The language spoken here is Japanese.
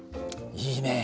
いいね。